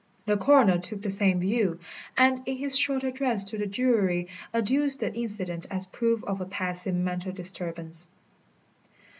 The coroner took the same view, and in his short address to the jury adduced the incident as proof of a passing mental disturbance.